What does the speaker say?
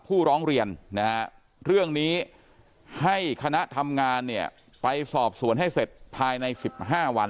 ผู้ร้องเรียนนะฮะเรื่องนี้ให้คณะทำงานเนี่ยไปสอบสวนให้เสร็จภายใน๑๕วัน